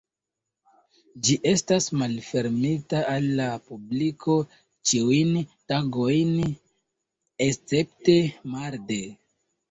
Ĝi estas malfermita al la publiko ĉiujn tagojn escepte marde.